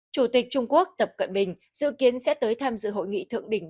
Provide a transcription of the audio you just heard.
chủ tịch trung quốc tập cận bình dự kiến sẽ tới tham dự hội nghị thượng đỉnh